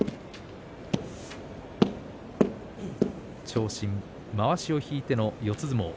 長身、まわしを引いての四つ相撲。